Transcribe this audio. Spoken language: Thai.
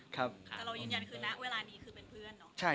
ครับค่ะ